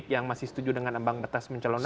yang masih setuju dengan ambang batas pencalonan